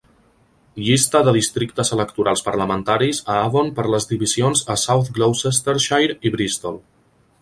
Llista de districtes electorals parlamentaris a Avon per les divisions a South Gloucestershire i Bristol.